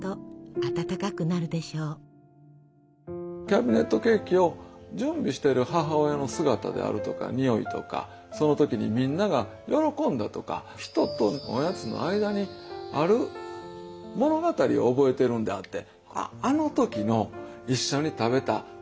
キャビネットケーキを準備している母親の姿であるとか匂いとかその時にみんなが喜んだとか人とおやつの間にある物語を覚えているんであって。